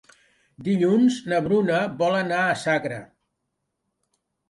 Dilluns na Bruna vol anar a Sagra.